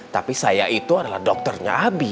tapi saya itu adalah dokternya habib